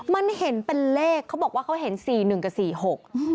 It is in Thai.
มันเห็นเป็นเลขเขาบอกว่าเขาเห็น๔๑กับ๔๖